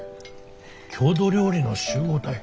郷土料理の集合体？